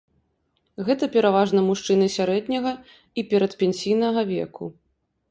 Гэта пераважна мужчыны сярэдняга і перадпенсійнага веку.